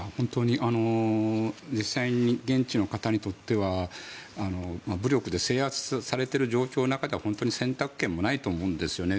実際に現地の方にとっては武力で制圧されている状況の中で本当に選択権もないと思うんです。